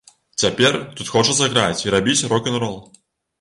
Цяпер тут хочацца граць і рабіць рок-н-рол.